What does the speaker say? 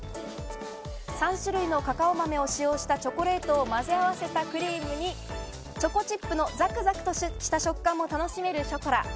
３種類のカカオ豆を使用したチョコレートをまぜ合わせたクリームにチョコチップのザクザクとした食感も楽しめるショコラ。